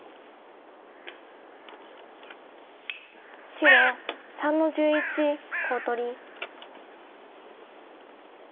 白３の十一コウ取り。